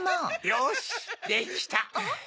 よしできた！